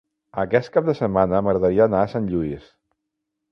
Aquest cap de setmana m'agradaria anar a Sant Lluís.